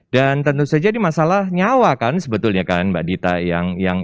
dan tentu saja ini masalah nyawa kan sebetulnya kan mbak dita yang